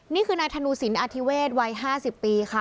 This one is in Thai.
นี่คือนายธนูศิลป์อธิเวศวัยห้าสิบปีค่ะ